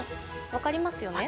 分かります。